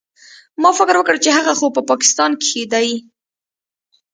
ما فکر وکړ چې هغه خو په پاکستان کښې دى.